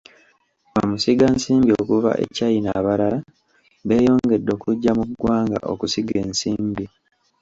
Bamusigansimbi okuva e China abalala beeyongedde okujja mu ggwanga okusiga ensimbi.